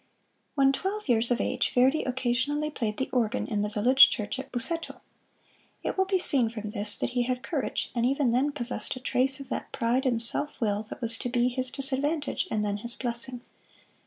When twelve years of age Verdi occasionally played the organ in the village church at Busseto. It will be seen from this that he had courage, and even then possessed a trace of that pride and self will that was to be his disadvantage and then his blessing.